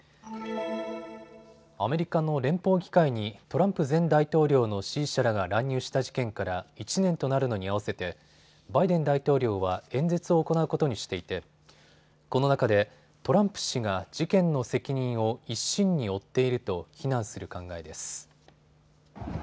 アメリカの連邦議会にトランプ前大統領の支持者らが乱入した事件から１年となるのに合わせてバイデン大統領は演説を行うことにしていてこの中でトランプ氏が事件の責任を一身に負っていると非難する考えです。